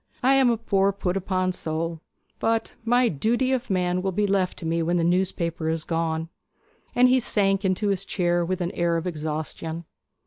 I am a poor put upon soul; but my "Duty of Man" will be left to me when the newspaper is gone.' And he sank into his chair with an air of exhaustion.